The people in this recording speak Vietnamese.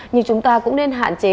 nhưng chúng ta cũng nên hạn chế